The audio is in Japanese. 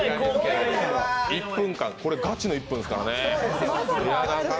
１分間、これガチの１分ですからね。